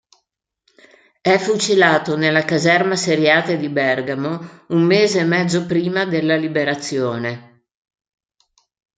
È fucilato nella caserma "Seriate" di Bergamo, un mese e mezzo prima della Liberazione.